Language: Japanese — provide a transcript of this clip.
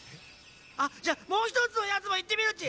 じゃあもうひとつのやつもいってみるっち。